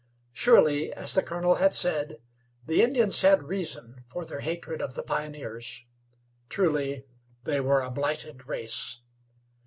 Surely, as the colonel had said, the Indians had reason for their hatred of the pioneers. Truly, they were a blighted race.